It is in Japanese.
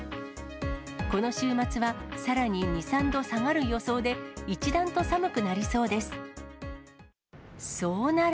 この週末はさらに２、３度下がる予想で、一段と寒くなりそうです。